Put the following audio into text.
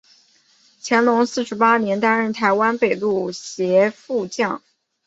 乾隆四十八年担任台湾北路协副将。